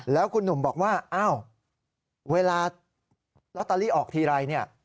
แล้วคุณหนุ่มบอกว่าอ้าวเวลาลอตเตอรี่ออกทีไรเนี่ย